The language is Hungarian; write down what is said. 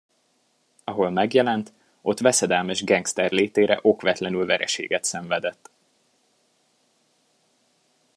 Ahol megjelent, ott veszedelmes gengszter létére okvetlenül vereséget szenvedett.